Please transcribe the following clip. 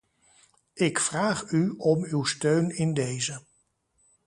Ik vraag u om uw steun in deze.